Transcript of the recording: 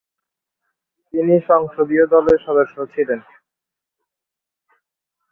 তিনি সংসদীয় দলের সদস্য ছিলেন।